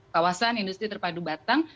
kawasan industri terpadu batang